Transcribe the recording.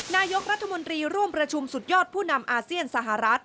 นายกรัฐมนตรีร่วมประชุมสุดยอดผู้นำอาเซียนสหรัฐ